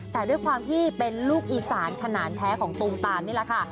แต่ด้วยความที่เป็นลูกอีสานขนาดแท้ของตูมตามนี่แหละค่ะ